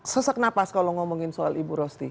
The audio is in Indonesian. sesak napas kalau ngomongin soal ibu rosti